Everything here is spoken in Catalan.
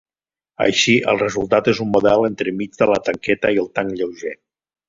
Així, el resultat és un model entremig de la tanqueta i el tanc lleuger.